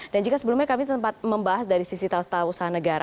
dan jika sebelumnya kami tempat membahas dari sisi tata usaha negara